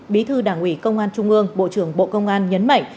bí thư đảng ủy công an trung ương bộ trưởng bộ công an nhấn mạnh